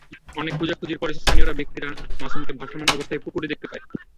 অনেক খোঁজাখুঁজির পরে স্থানীয় ব্যক্তিরা মাসুমকে ভাসমান অবস্থায় পুকুরে দেখতে পায়।